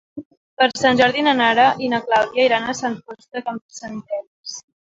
Per Sant Jordi na Nara i na Clàudia iran a Sant Fost de Campsentelles.